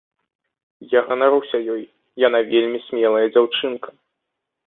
Я ганаруся ёй, яна вельмі смелая дзяўчынка.